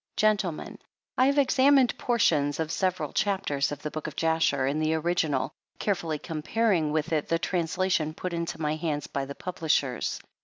Gentlemen, I have examined portions of several chapters of the " Book of Jasher" in the original, carefully comparing with it the translation put into my hands by the publishers.